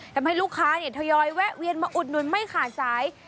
ทำให้ลูกค้าทยอยแวะเวียนมาอุดหนุนไม่ขาดสาย